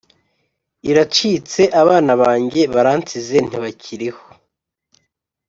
iracitse abana banjye baransize ntibakiriho